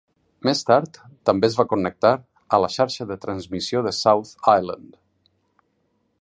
Més tard, també es va connectar a la xarxa de transmissió de South Island.